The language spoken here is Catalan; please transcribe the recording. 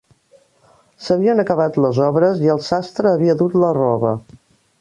S'havien acabat les obres, i el sastre havia dut la roba